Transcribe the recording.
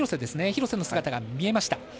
廣瀬の姿が見えました。